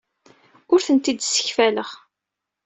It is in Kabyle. Ur tent-id-ssekfaleɣ.